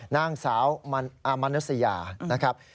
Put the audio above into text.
นางสาวอามนุษยานะครับ